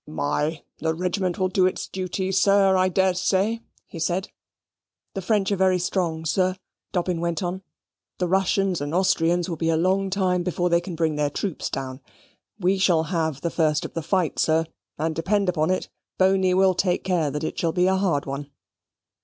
"My s , the regiment will do its duty, sir, I daresay," he said. "The French are very strong, sir," Dobbin went on. "The Russians and Austrians will be a long time before they can bring their troops down. We shall have the first of the fight, sir; and depend on it Boney will take care that it shall be a hard one."